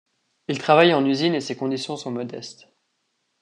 Il travaille en usine et ses conditions sont modestes.